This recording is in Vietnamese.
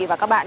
và các bạn